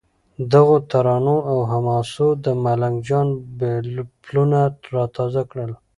دغو ترانو او حماسو د ملنګ جان پلونه را تازه کړل.